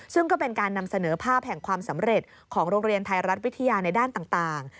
ซึ่งก็เป็นการนำเสนอภาพแห่งความสำเร็จของโรงเรียนไทยรัฐวิทยาในด้านต่าง